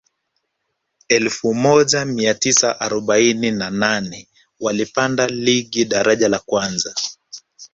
elfu moja mia tisa arobaini na nane walipanda ligi daraja la kwanza